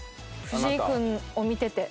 藤井君を見てて。